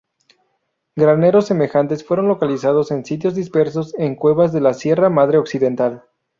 Graneros semejantes fueron localizados en sitios dispersos en cuevas de la Sierra Madre Occidental.